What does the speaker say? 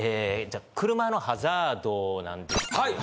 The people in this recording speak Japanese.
車のハザードなんですけども。